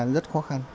rất khó khăn